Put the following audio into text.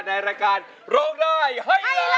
ในรายการโลกหน้าไฮลา